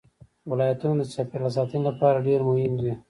ولایتونه د چاپیریال ساتنې لپاره ډېر مهم دي.